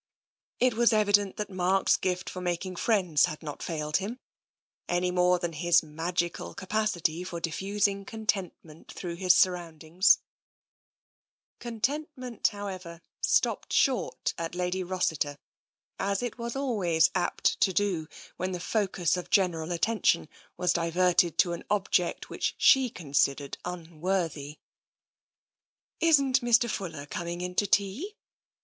It was evident that Mark's gift for mak ing friends had not failed him, any more than his magical capacity for diffusing contentment throughout his surroundings. S6 TENSION Contentment, however, stopped short at Lady Ros siter, as it was always apt to do when the focus of general attention was diverted to an object which she considered unworthy. " Isn't Mr. Fuller coming in to tea